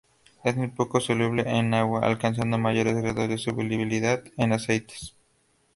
Es muy poco soluble en agua, alcanzando mayores grados de solubilidad en aceites.